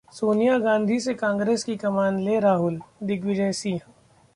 सोनिया गांधी से कांग्रेस की कमान लें राहुल: दिग्विजय सिंह